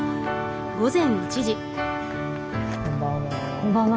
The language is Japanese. こんばんは。